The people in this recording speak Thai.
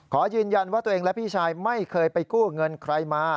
ขอยืนยันว่าตัวเองและพี่ชายไม่เคยไปกู้เงินใครมา